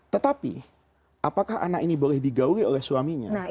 tetapi apakah anak ini boleh digaui oleh suaminya